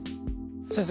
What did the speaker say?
先生